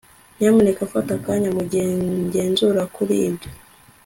Nyamuneka fata akanya mugihe ngenzura kuri ibyo